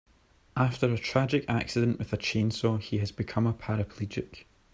After a tragic accident with a chainsaw he has become a paraplegic.